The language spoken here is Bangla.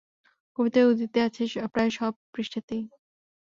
কবিতার উদ্ধৃতি আছে প্রায় সব পৃষ্ঠাতেই।